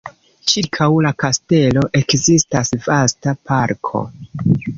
Ĉirkaŭ la kastelo ekzistas vasta parko.